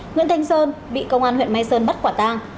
nguyễn thanh sơn bị công an huyện mai sơn bắt quả tang